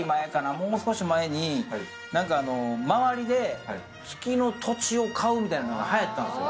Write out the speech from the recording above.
もう少し前に周りで月の土地を買うみたいなのが流行ったんすよ。